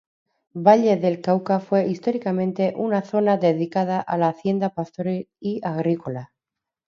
Valle del Cauca fue históricamente una zona dedicada a la hacienda pastoril y agrícola.